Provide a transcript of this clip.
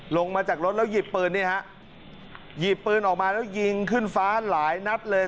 ลงมาจากรถแล้วหยิบปืนนี่ฮะหยิบปืนออกมาแล้วยิงขึ้นฟ้าหลายนัดเลย